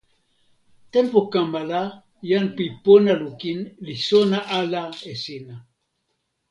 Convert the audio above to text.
tenpo kama la, jan pi pona lukin li sona ala e sina.